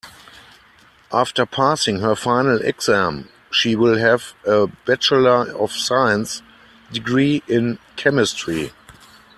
After passing her final exam she will have a bachelor of science degree in chemistry.